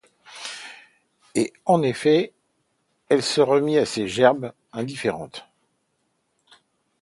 Et, en effet, elle se remit à ses gerbes, indifférente.